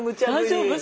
大丈夫？